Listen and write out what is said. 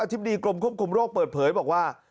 ธิบดีกรมควบคุมโรคเปิดเผยบอกว่า